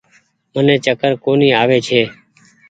مني چڪر ڪونيٚ آوي ڇي۔